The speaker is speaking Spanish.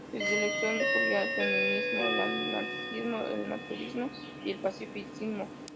Su ideario incluía el feminismo, el anarquismo, el naturismo y el pacifismo.